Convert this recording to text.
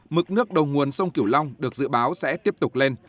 mực nước đầu nguồn sông kiểu long được dự báo sẽ tiếp tục lên